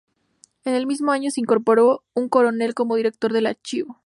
En el mismo año se incorporó un coronel como director del archivo.